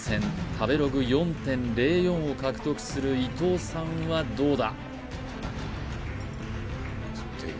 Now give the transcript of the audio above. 食べログ４．０４を獲得する伊藤さんはどうだ？